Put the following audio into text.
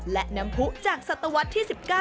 และน้ำผู้จากศตวรรษที่๑๙